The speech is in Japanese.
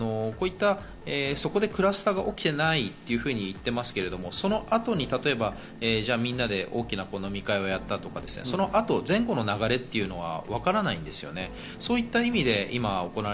もう一つは、そこでクラスターが起きていないと言ってますけど、その後に例えば、じゃあ、みんなで大きな飲み会をやったとか、そのあと前後の流れというのはわからないんですよね。